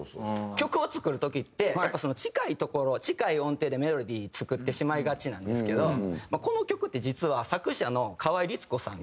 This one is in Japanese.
曲を作る時ってやっぱ近いところ近い音程でメロディー作ってしまいがちなんですけどこの曲って実は。